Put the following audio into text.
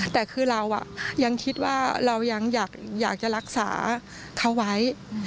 แต่คือเรายังคิดว่าเรายังอยากจะรักษาเขาไว้